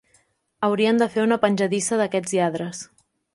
Haurien de fer una penjadissa d'aquests lladres!